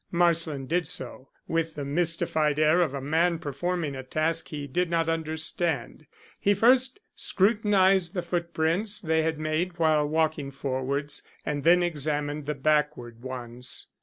Marsland did so. With the mystified air of a man performing a task he did not understand, he first scrutinized the footprints they had made while walking forwards, and then examined the backward ones.